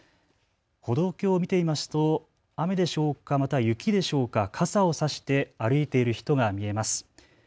歩道橋を見てみますと雨でしょうか、また雪でしょうか傘を差して歩いている人が見えます。